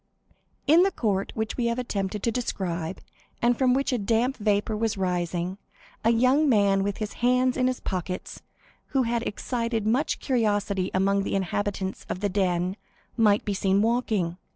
In the court which we have attempted to describe, and from which a damp vapor was rising, a young man with his hands in his pockets, who had excited much curiosity among the inhabitants of the "Den," might be seen walking.